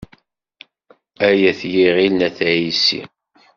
Ay At yiɣil n At Ɛissi.